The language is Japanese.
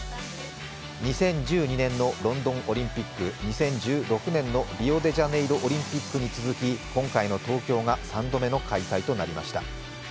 ２０１２年のロンドンオリンピック２０１６年のリオデジャネイロオリンピックに続き今回の東京が３度目の開催となりました。